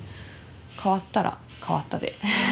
変わったら変わったで。